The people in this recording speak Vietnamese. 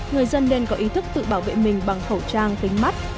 người dân nên có ý thức tự bảo vệ mình bằng khẩu trang kính mắt